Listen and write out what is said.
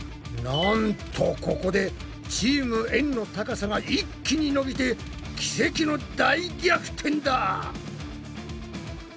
なんとここでチームエんの高さが一気に伸びて奇跡の大逆転だ！